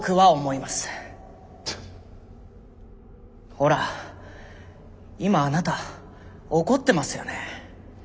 ほら今あなた怒ってますよね。